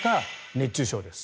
熱中症です。